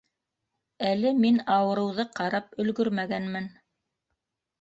Әле мин ауырыуҙы ҡарап өлгөрмәгәнмен...